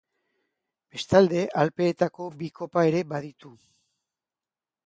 Bestalde Alpeetako bi kopa ere baditu.